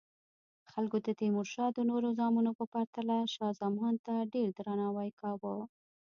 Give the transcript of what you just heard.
خلکو د تیمورشاه د نورو زامنو په پرتله شاه زمان ته ډیر درناوی کاوه.